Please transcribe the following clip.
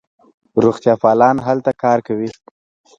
روغتیاپالان هلته کار کوي.